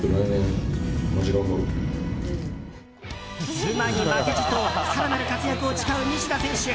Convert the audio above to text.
妻に負けじと更なる活躍を誓う西田選手。